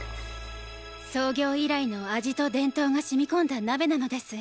創業以来の味と伝統がしみ込んだ鍋なのです。